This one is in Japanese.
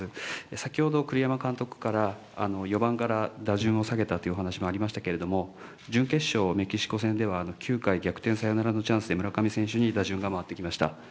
先ほど栗山監督から４番から打順を下げたというお話もありましたけれども、準決勝メキシコ戦では、９回逆転サヨナラのチャンスで村上選手に打順が回ってきました。